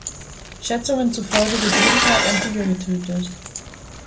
Schätzungen zufolge wird jeden Tag ein Tiger getötet.